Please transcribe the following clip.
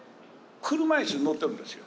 車椅子に乗ってるんですよ。